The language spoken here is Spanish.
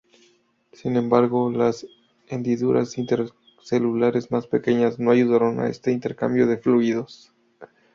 Sin embargo, las hendiduras intercelulares más pequeñas no ayudan a este intercambio de fluidos.